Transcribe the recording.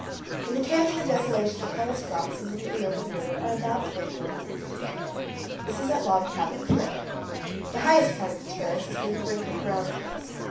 In the Canyon of Desolation the highest rocks immediately over the river are about 2,400 feet. This is at Log Cabin Cliff. The highest part of the terrace is near the brink of the Brown Cliffs.